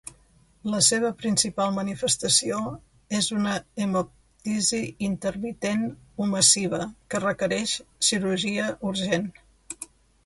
La seva principal manifestació és una hemoptisi intermitent o massiva que requereix cirurgia urgent.